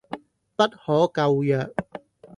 不可救藥